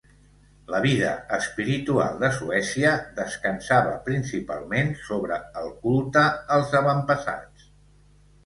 La vida espiritual de Suècia descansava principalment sobre el culte als avantpassats.